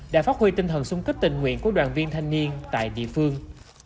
đã phát huy tinh thần sung kích tình nguyện của đoàn viên thanh niên tại địa phương